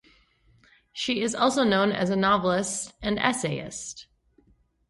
She is also known as a novelist and essayist.